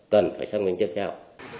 cần phải xác minh tiếp theo